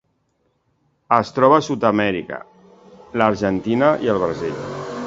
Es troba a Sud-amèrica: l'Argentina i el Brasil.